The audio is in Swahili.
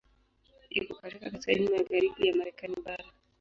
Iko katika kaskazini magharibi ya Marekani bara.